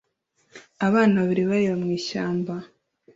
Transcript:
Abana babiri bareba mu ishyamba